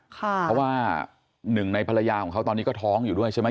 เพราะว่าหนึ่งในภรรยาของเขาตอนนี้ก็ท้องอยู่ด้วยใช่ไหม